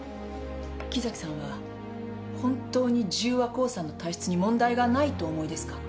木崎さんは本当に十和興産の体質に問題がないとお思いですか？